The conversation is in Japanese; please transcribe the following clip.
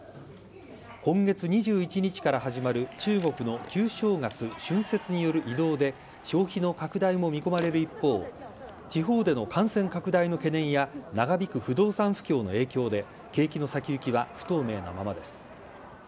今月２１日から始まる中国の旧正月・春節による移動で、消費の拡大も見込まれる一方、地方での感染拡大の懸念や長引く不動産不況の影響で、景気の先行きは不透明なままです。